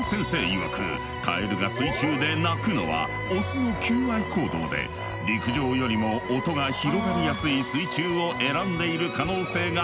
いわくカエルが水中で鳴くのはオスの求愛行動で陸上よりも音が広がりやすい水中を選んでいる可能性があるとのこと。